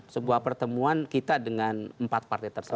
sebuah pertemuan kita dengan empat partai tersebut